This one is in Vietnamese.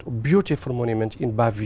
một bức tượng đẹp trong bà vy